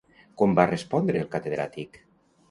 Com va respondre el catedràtic?